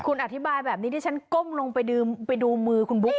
คุณอธิบายแบบนี้ที่ฉันก้มลงไปดูมือคุณบุ๊ค